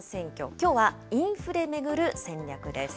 きょうはインフレ巡る戦略です。